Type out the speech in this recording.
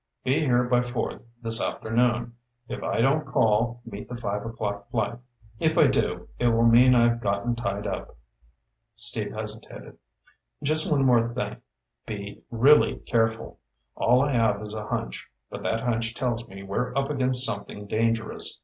Be here by four this afternoon. If I don't call, meet the five o'clock flight. If I do, it will mean I've gotten tied up." Steve hesitated. "Just one more thing. Be really careful. All I have is a hunch, but that hunch tells me we're up against something dangerous.